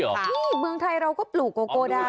ฮือะบริเวณเมืองไทยเราก็ปลูกโกโก้ได้